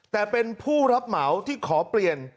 แต่เป็นผู้รับเหมาที่ขอเปลี่ยน